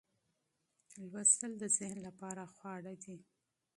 مطالعه د ذهن لپاره خواړه دي.